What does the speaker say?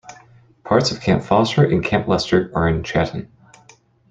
Parts of Camp Foster and Camp Lester are in Chatan.